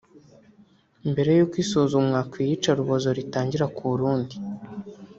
Mbere y’uko isuzumwa ku iyicarubozo ritangira ku Burundi